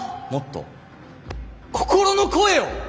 もっと心の声を！